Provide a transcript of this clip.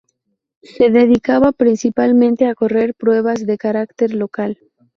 Se dedicaba principalmente a correr pruebas de carácter local.